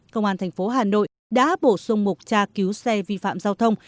công an thành phố hà nội đã bổ sung mục tra cứu xe vi phạm giao thông